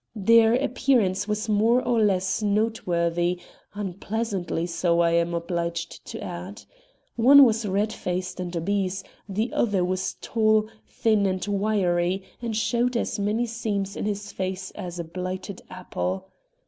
Their appearance was more or less note worthy unpleasantly so, I am obliged to add. One was red faced and obese, the other was tall, thin and wiry and showed as many seams in his face as a blighted apple.